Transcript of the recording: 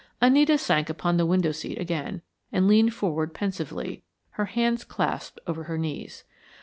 Anita sank upon the window seat again, and leaned forward pensively, her hands clasped over her knees.